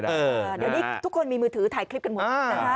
เดี๋ยวนี้ทุกคนมีมือถือถ่ายคลิปกันหมดนะคะ